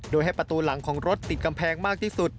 โดยให้ประตูหลังของรถติดกำแพงมากที่สุด